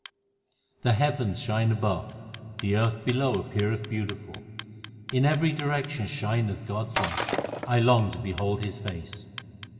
9 The heavens shine above, the earth below appeareth beautiful ; In every direction shineth God s light ; I long to behold His face.